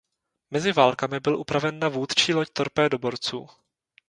Mezi válkami byl upraven na vůdčí loď torpédoborců.